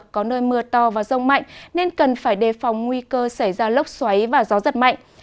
có nơi mưa to và rông mạnh nên cần phải đề phòng nguy cơ xảy ra lốc xoáy và gió giật mạnh